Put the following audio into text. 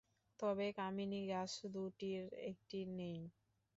তবে কামিনী গাছ দুটির একটি নেই।